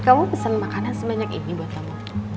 kamu pesan makanan sebanyak ini buat kamu